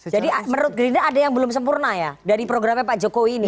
menurut gerindra ada yang belum sempurna ya dari programnya pak jokowi ini